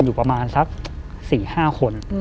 อยู่ประมาณสัก๔๕คน